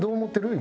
今。